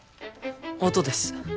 音です